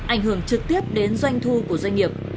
ảnh hưởng trực tiếp đến doanh thu của doanh nghiệp